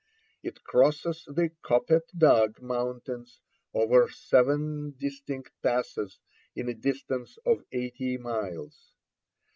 It crosses the Kopet Dagh mountains over seven distinct passes in a distance of eighty miles.